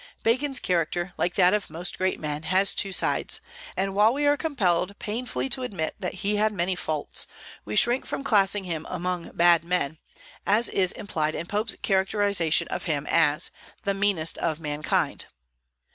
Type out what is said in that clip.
Bacon's character, like that of most great men, has two sides; and while we are compelled painfully to admit that he had many faults, we shrink from classing him among bad men, as is implied in Pope's characterization of him as "the meanest of mankind."